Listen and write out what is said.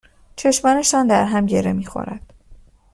چشمانشان در هم گره میخورد